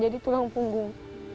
jadi tulang punggung